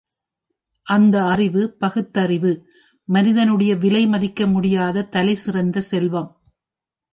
அந்த அறிவு பகுத்தறிவு மனிதனுடைய விலை மதிக்க முடியாத தலைசிறந்த செல்வம்.